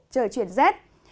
trời chuyển rét